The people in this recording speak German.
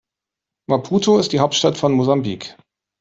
Maputo ist die Hauptstadt von Mosambik.